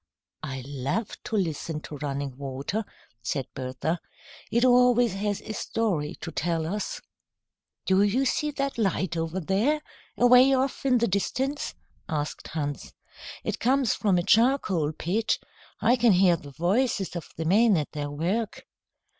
"I love to listen to running water," said Bertha. "It always has a story to tell us." "Do you see that light over there, away off in the distance?" asked Hans. "It comes from a charcoal pit. I can hear the voices of the men at their work."